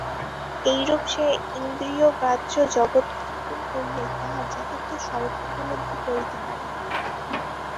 এইরূপে সে ইন্দ্রিয়গ্রাহ্য জগৎ অতিক্রম করিয়াই তাহার যথার্থ স্বরূপ উপলব্ধি করিতে পারে।